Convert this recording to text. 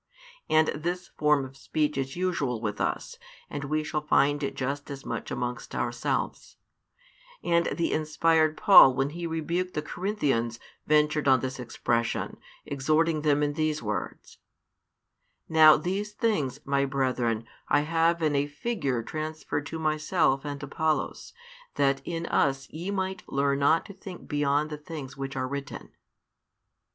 And this form of speech is usual with us, and we shall find it just as much amongst ourselves; and the inspired Paul, when he rebuked the Corinthians, ventured on this expression, exhorting them in these words: Now these things, my brethren, I have in a figure transferred to myself and Apollos; that in us ye might learn not to think beyond the things which are written.